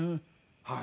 はい。